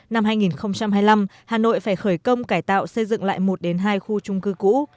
năm hai nghìn hai mươi năm hà nội phải khởi công cải tạo xây dựng lại một đến hai khu trung cư cũ